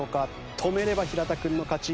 止めれば平田君の勝ち。